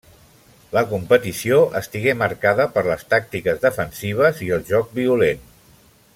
La competició estigué marcada per les tàctiques defensives i el joc violent.